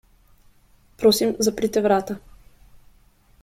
Prosim, zaprite vrata.